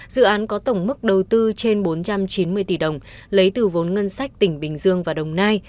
dự án có tổng mức đầu tư trên bốn trăm chín mươi tỷ đồng lấy từ vốn ngân sách tỉnh bình dương và đồng nai